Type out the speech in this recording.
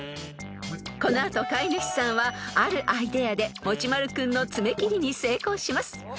［この後飼い主さんはあるアイデアでもちまる君の爪切りに成功します］